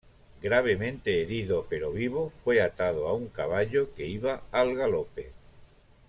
Gravemente herido, pero vivo, fue atado a un caballo que iba al galope.